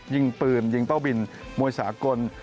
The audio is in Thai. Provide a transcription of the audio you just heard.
ยิงปืนยิงเป้าบินมวยสากล